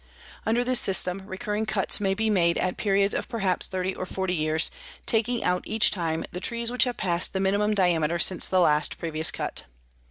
Under this system recurring cuts may be made at periods of perhaps 30 or 40 years, taking out each time the trees which have passed the minimum diameter since the last previous cut.